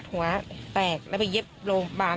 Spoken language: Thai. ใช่ค่ะมันสุดแล้ว